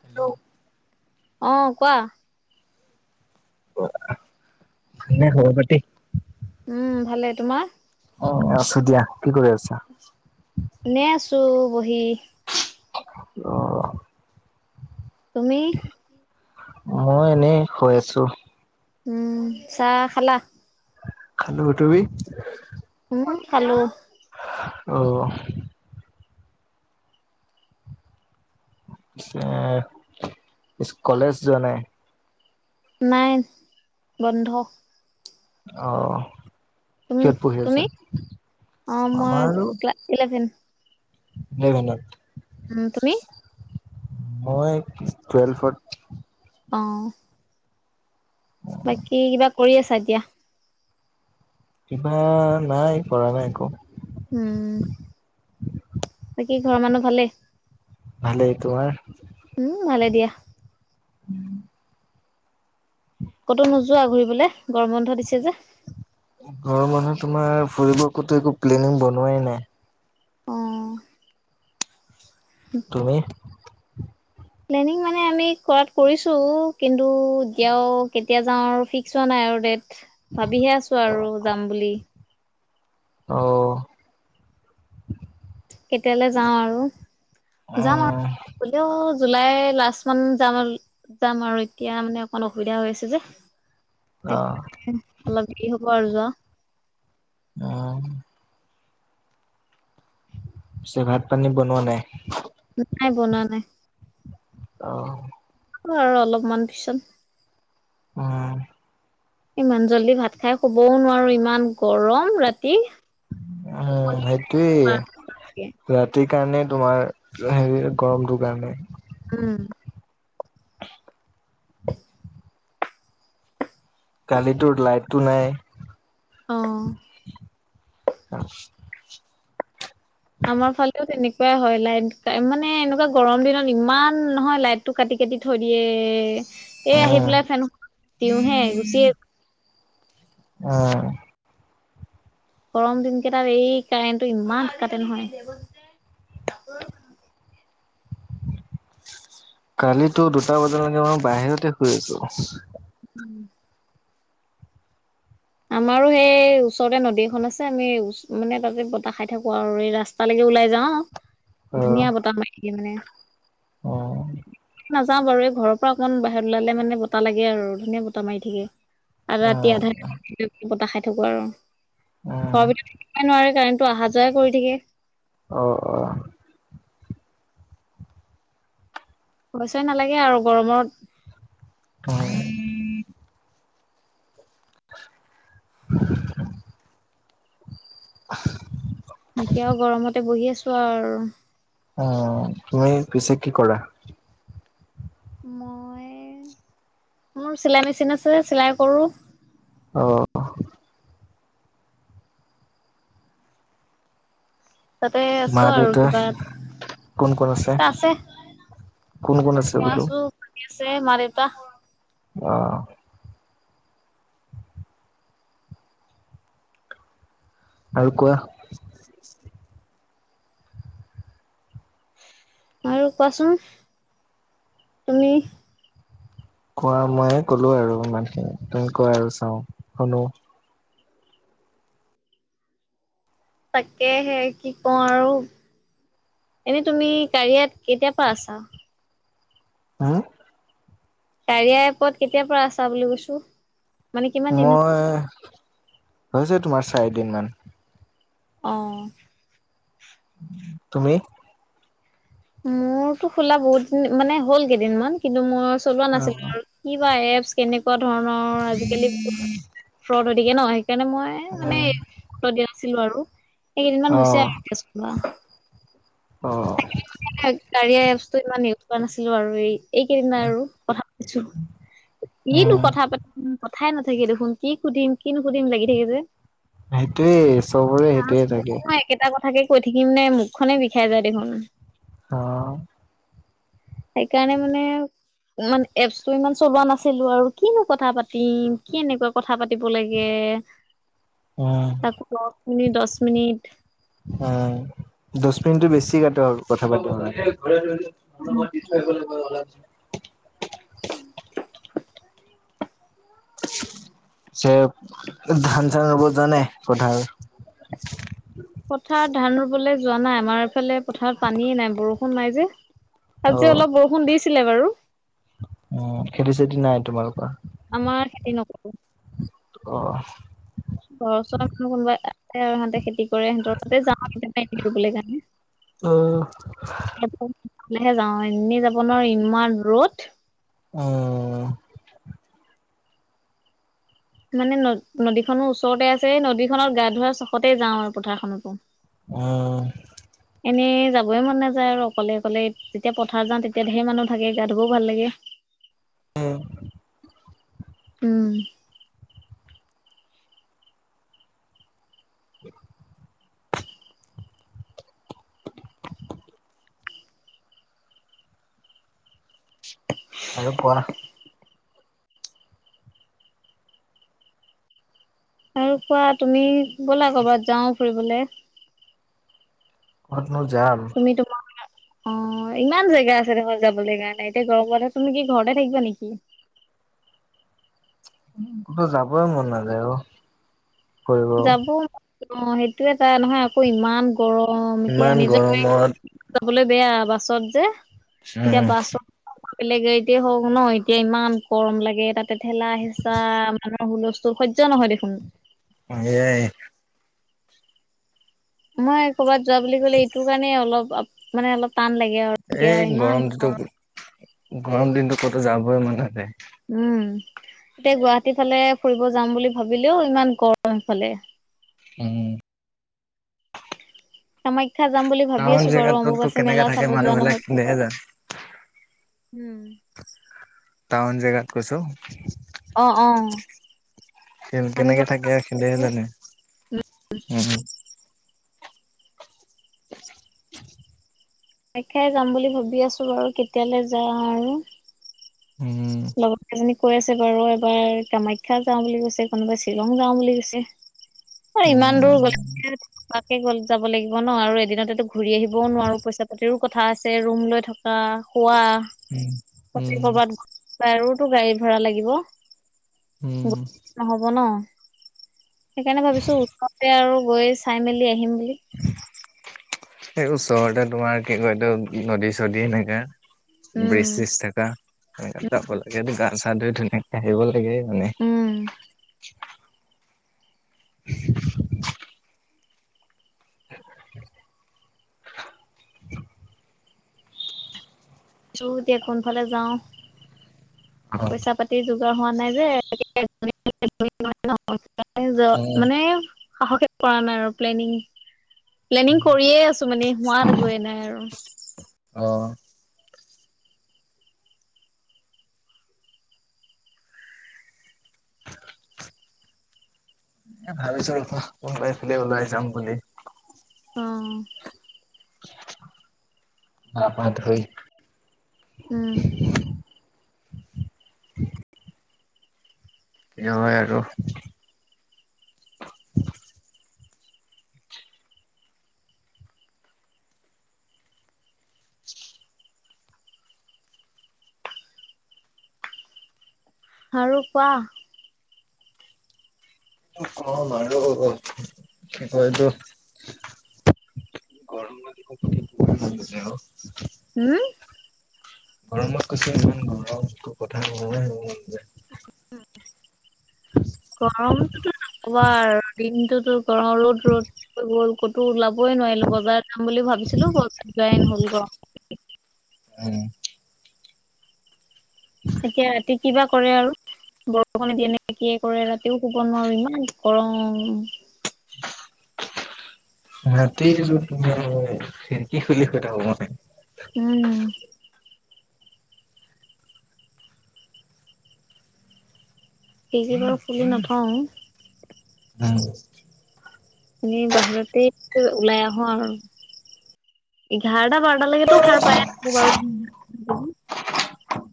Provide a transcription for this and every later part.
Hello অ', কোৱা মানে হবটি উম ভালে তোমাৰ উ অশু দিয়া কি কৰি আছা? এ ন আছো বহি অ', তুমি? মই এনেই হৈ আছো উম চাহ খালা? খাল গটোবি উম খালো অ', এ কলেজ যোৱা নাই? নাই বন্ধ। আহ। তুম কিহত পুঢ়ি আছা? তুমি অ মই আমাৰো ক্লাছ ইলেভেন নে ভেনত। উম, তুমি? মই টুৱেলভত। অ'। বাকী কিবা কৰি আছা এতিয়া? কিবা নাই কৰা নাই একো। উম। বাকী কি ঘৰৰ মানুহ ভালে? উম, ভালে দিয়া। ক'তো নোযোৱা ঘূৰিবলৈ গৰম বন্ধ দিছে যে? গৰম বন্ধ তোমাৰ ফুৰিব ক'তো একো প্লেনিং বনোৱাই নাই। উম। তুমি? প্লেনিং মানে আমি কৰাত কৰিছো। কিন্তু এতিয়া আৰু কেতিয়া যাওঁ আৰু ফিক্স হোৱা নাই আৰু ডেট। ভাবিহে আছো আৰু যাম বুলি। আহ। কেতিয়ালৈ যাওঁ আৰু! যাম আৰু গ'লেও জুলাই লাষ্ট মান যাম যাম আৰু এতিয়া মানে অকমান অসুবিধা হৈ আছে যে। সেয়েহে অলপ দেৰি হ'ব আৰু যোৱা। আহ। চ' ভাত পানী বনোৱা নাই? নাই বনোৱা নাই। আৰু অলপমান পিছত। উম। ইমান জল্দি ভাত খাই শুবও নোৱাৰো ইমান গৰম ৰাতি। উম, টোপনি সেইটোৱেই মৰালৈকে ৰাতি কাৰণে তোমাৰ হেৰি গৰমটোৰ কাৰণে। উম। কালিতোৰ লাইটটো নাই। অ [inaudible] আমাৰ ফালেও তেনেকুৱাই হয় লাইট মানে এনেকুৱা গৰম দিনত ইমান নহয় লাইটটো কাটি কটি থৈ দিয়ে। এই আহি পেলাই ফেনখন দিওঁ হে গুছিয়ে অ'। গৰম দিনকেই তাত এই কাৰেণ্টটো ইমান কাটে নহয়। [inaudible] কালিতো দুটা বজালৈকে মই বাহিৰতে শুই আছো। উম। আমাৰো সেই ওচৰতে নদী এখন আছে আমি মানে তাতে বতাহ খাই থাকো আৰু এই ৰাস্তা লৈকে ওলাই যাওঁ ধুনীয়া বতাহ মাৰি থাকে মানে। নাযাওঁ বাৰু। এই ঘৰৰ পৰা অকমান বাহিৰত ওলালে মানে বতাহ লাগে আৰু ধুনীয়া বতাহ মাৰি থাকে। আৰু ৰাতি আধা অ'। বতাহ খাই থাকো আৰু ঘৰৰ ভিতৰত নোৱাৰে কাৰেনটো অহা যোৱাই কৰি থাকে। অ', অহ। [unintelligible] নালাগে আৰু গৰমত। উম। এতিয়াও গৰমতে বহি আছো আৰু আৰু। অ', তুমি পিছে কি কৰা? মই মোৰ চিলাই মেচিন আছে চিলাই কৰো। অহ' তাতে মা আছো আৰু দেউতা কিবা কোন ক'ত মা আছে। দেউতা কোন কোন আছে মই বোলো। আছো ভন্টি আছে মা দেউতা। আহ আৰু কোৱা। আৰু কোৱাচোন তুমি। কোৱা মই কলো আৰু ইমানখিনি তুমি কোৱা আৰু চাওঁ শুনো। তাকে সে কি কওঁ আৰু। এনেই তুমি কাৰিয়াত কেতিয়া পৰা আছা। হ'ম কাৰিয়া এপত কেতিয়াৰ পৰা আছা বুলি কৈছো। মানে কিমান দিন হ'ল? মই হৈছে তোমাৰ চাৰিদিন মান। অহ' তুমি মোৰতো খোলা বহুত দিন মানে হ'ল কেইদিনমান কিন্তু মোৰ চলোৱা নাছিলো আৰু কিবা এপছ কেনেকুৱা ধৰণৰ আজিকালি ফ্ৰৰদ হৈ গতিকে ন সেইকাৰণে মই মানে গুৰুত্ব দিয়া নাছিলো আৰু। এইেকেইদিনমান হৈছে আৰু এতিয়া চলোৱা। সেইকেইদিন কাৰিয়াএপছটো ইমান ইউজ কৰা নাছিলো আৰু এই এইকেইদিন আৰু কথা পাতিছো কিনো কথা পাতিম। কথাই নথাকে দেখোন কি সুধিম কি নুসুধিম লাগি থাকে যে। [unintelligible] একেটা কথাকে। কৈ থাকিম নে মুখখনে বিষাই যায় দেখোন। অ' সেইকাৰণে মানে। ইমান এপছটো ইমান চলোৱা নাছিলো আৰু কিনো কথা পাতিম কি এনেকুৱা কথা পাতিম। কথা পাতিব লাগে, তাকো দহ মিনিট দহ মিনিট। অ' দহ মিনিটটো বেছি কাট আৰু কথা পাতিব পাৰে। আপোনাক মই [unintelligible] চে ধান চান ৰুব যোৱা নাই পথাৰত। পথাৰত ধান ৰুবলে যোৱা নাই আমাৰ এইফালে পথাৰত পানীয়ে নাই বৰষুণ। বৰষুণ নাই যে আজি অলপ বৰষুণ দিছিলে বাৰু। খেতি চেতি নাই তোমালোকৰ। আমাৰ খেতি নকৰো। ঘৰৰ ওচৰত আপোনালোক কোনোবাই এ সিহঁতে খেতি। সিহতৰতে যাওঁ ৰুবলৈ কাৰণে [unintelligible] ক'লে হে যাওঁ এনেই যাব নোৱাৰি ইমান ৰ'দ। অ' মানে ন নদীখনো ওচৰতে আছে, নদীখনত গা ধুৱোৱা চখতে যাওঁ আৰু পথাৰখনতো। অহ' এনে যাবই মন নাযায় আৰু অকলে অকলে যেতিয়া পথাৰ যাওঁ, তেতিয়া ধেৰ মানুহ থাকে গা ধোবও ভাল লাগে। উম। উম। [unintelligible] আৰু কোৱানা। আৰু কোৱা তুমি বলা ক'ৰবাত যাওঁ ফুৰিবলে। ক'ত নো যাম। তুমি তোমাৰ অ' ইমান জেগা আছে দেখোন যাবলৈ কাৰণে, এতিয়া গৰম বন্ধত তুমি কি ঘৰতে থাকিবা নেকি। [inaudible] উম কতো যাবই মন নাযায় অ যাব অ সেইটোয়ে তাই নহয় আকৌ ইমান গৰম এতিয়া নিজৰ বুলি যাবলৈ বেয়া বাছত যে এতিয়া বাছত বেলেগে এতি হওক ন এতিয়া ইমান গৰম লাগে তাতে ঠেলা হেঁচা মানুহৰ হুলস্থুল হৈযো নহয় দেখোন এয়াই মই কৰ'বাত যোৱা বুলি ক'লে এইটো কাৰণে অলপ মানে অলপ টান লাগে আৰু ইয়াৰ ইমান গৰমত গৰম দিনতটো ক'তো যাবই মন নাযায় উম এতিয়া গুৱাহাটী ফালে ফুৰিব যাম বুলি ভাবিলেও ইমান গৰম সিফালে উম তমই [unintelligible] এতিয়া যাম বুলি ভাবি আছো বাৰু অম্বুবাচী মেলা চাব যোৱা নহল উম টাউন জেগাত কৈছো অ অ কেন আমি কেনেকে বাৰু থাকে খেলেহে জানে কামাখ্যাই উম [inaudible] আাই খাই যাম বুলি ভাবি আছো বাৰু কেতিয়ালৈ যাওঁ আৰু লগত এজনী কৈ আছে বাৰু, এবাৰ কামাখ্যা যাওঁ বুলি কৈছে, কোনোবাই শ্বিলং যাও বুলি কৈছে। অ ইমান দূৰ গলেগে তাকে গ - গলে যাব লাগিব ন আৰু এদিনতেতো ঘূৰি আহিবও নোৱাৰো পইচা পাতিৰো কথা আছে ৰুম লৈ থকা খোৱা উম - উম তাইৰো টো গাড়ী ভাড়া লাগিব। উম নহ'ব ন সেইকাৰণে ভাবিছো, ওচৰতে আৰু গৈ চাই মেলি আহিম বুলি এই ওচৰতে তোমাৰ কি কয়তো নদী- চদী এনেকা উম ব্ৰিজ -চিজ থাকা সেনেকা হলে টো গা - চা ধুই ধুনীয়াকে আহিব লাগে। মানে [inaudible] উম [inaudible] এতিয়া কোনফালে যাওঁ পইচা পাতি যোগাৰ হোৱা নাই যে [inaudible] মানে সাহসে কৰা নাই আৰু প্লেনিং প্লেনিং কৰিয়ে আছো মানে, হোৱা গৈ নাই আৰু এ ভাবিছো ৰখা কোনবাফালে ওলাই যাওঁ বুলি অ গা পা ধুই উম কি হয় আৰু আৰু কোৱা হয়টো হম [inaudible] গৰমটোতো নকবা আৰু, দিনটোতো গৰম ৰ'দ- ৰ'দ কৈ গ'ল, ক'তো ওলাবই নোৱাৰিলো। লো বজাৰ যাম বুলি ভাবিছিলো বজাৰ যোৱাই নহ'ল গৰমত [unintelligible] এতিয়া ৰাতি কিবা কৰে আৰু বৰষুণ দিয়ে নে কিয়ে কৰে, ৰাতিও শুব নোৱাৰো ইমান গৰম। ৰাতি তুমি [unintelligible] খিৰকি খুলি শুই থাকোঁ মই। উম খিৰকি বাৰু খুলি নথও। এনেই বাহিৰতেই ওলাই আহোঁ আৰু। এঘাৰটা - বাৰটালৈকেতো সাৰ পায়ে থাকোঁ বাৰু।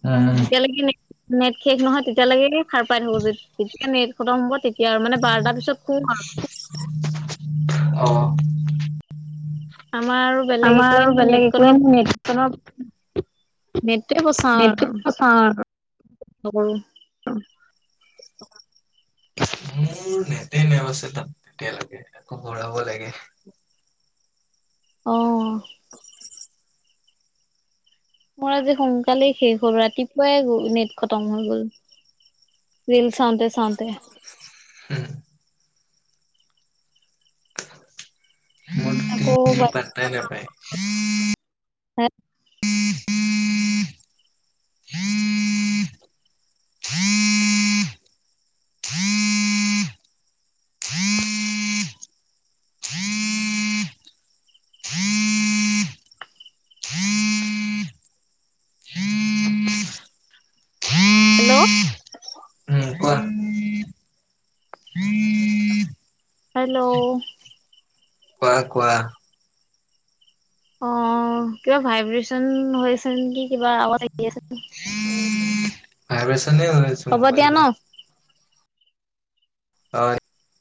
উম। যেতিয়ালৈকে নে-নেট শেষ নহয়, তেতিয়ালৈকে সাৰ পাই থাকো, যে যেতিয়া নেট খতম হ'ব তেতিয়া আৰু মানে বাৰটা পাছত শুম আৰু। [inaudible] আমাৰ বেলেগ আমাৰ একোৱে আৰু নাই বেলেগ নেটকনৰ একোৱেই [unintelligible] নেটটোৱেই বচাওঁ আৰু চাওঁ আৰু। একো নকৰো। [unintelligible] আছে তাত এতিয়ালৈকে আকৌ ঘূৰাব লাগে। আহ। মোৰ আজি সোনকালেই শেষ হ'ল, ৰাতিপুৱাই গ নেট খতম হৈ গ'ল। ৰীল চাওঁতে চাওঁতে। উম। আকৌ, [unintelligible] ভৰাব লগা হ'ল [unintelligible] হেল্ল'। হেল্ল'। কোৱা - কোৱা। অ কিবা, ভাইব্ৰেচন হৈ আছে নেকি? কিবা আৱাজ আহি আছে। ভাইছনে ওলাইছে হ'ব দিয়া মোবাইলটো। ন [inaudible]